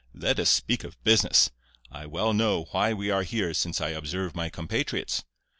Let us speak of business. I well know why we are here, since I observe my compatriots.